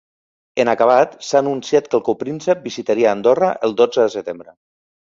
En acabat, s’ha anunciat que el copríncep visitaria Andorra el dotze de setembre.